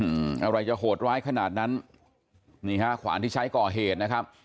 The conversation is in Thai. อะไรจะโหดร้ายขนาดนั้นนี่ฮะขวานที่ใช้ก่อเหตุนะครับ